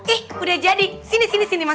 ih udah jadi sini sini sini mas